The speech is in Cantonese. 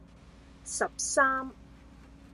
十三